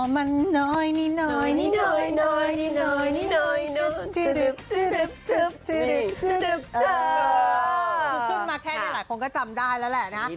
พูดขึ้นมาแทบหลายคนก็จำได้แล้วแหละ